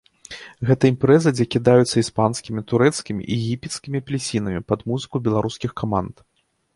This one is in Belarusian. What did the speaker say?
Гэта імпрэза, дзе кідаюцца іспанскімі, турэцкімі і егіпецкімі апельсінамі пад музыку беларускіх каманд.